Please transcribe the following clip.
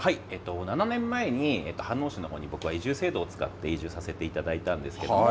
７年前に、僕は飯能市の方に移住制度を使って移住させていただいたんですけれども。